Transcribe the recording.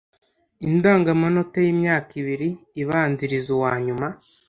indangamanota y’imyaka ibiri ibanziriza uwa nyuma